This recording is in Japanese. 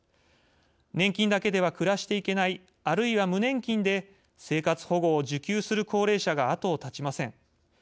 年金だけでは暮らしていけないあるいは無年金で生活保護を受給する高齢者が後を絶ちません。